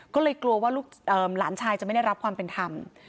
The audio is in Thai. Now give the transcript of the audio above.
ก็เลยกลัวว่าหลานชายจะไม่ได้รับความเป็นธรรม